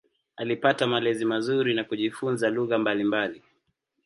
Alipata malezi mazuri na kujifunza lugha mbalimbali.